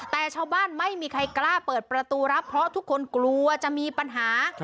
แต่ชาวบ้านไม่มีใครกล้าเปิดประตูรับเพราะทุกคนกลัวจะมีปัญหา